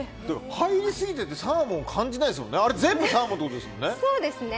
入りすぎててサーモン感じないですよね。